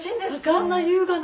そんな優雅な。